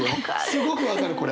すごく分かるこれ。